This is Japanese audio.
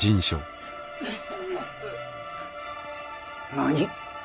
何？